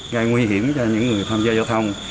gây nguy hiểm cho những người tham gia giao thông